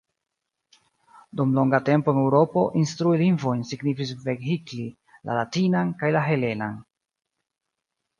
Dum longa tempo en Eŭropo instrui lingvojn signifis vehikli la latinan kaj la helenan.